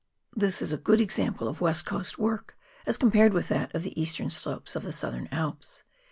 This is a good example of West Coast work, as compared with that of the eastern slopes of the Southern Alps.